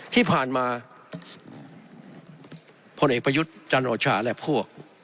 ที่ผ่านมาพลเอกประยุทธ์จันโอชาและพวก